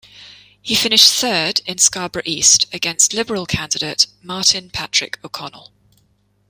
He finished third in Scarborough East, against Liberal candidate Martin Patrick O'Connell.